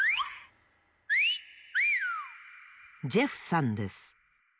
ジェフさんです。